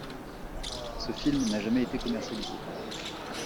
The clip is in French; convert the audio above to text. Ce film n'a jamais été commercialisé.